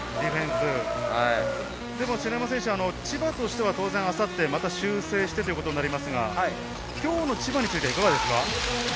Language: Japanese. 篠山選手、千葉としては当然、明後日、修正してということになりますが、今日の千葉についてはいかがですか？